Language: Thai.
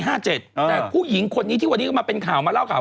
แต่ผู้หญิงคนนี้ที่วันนี้ก็มาเป็นข่าวมาเล่าข่าว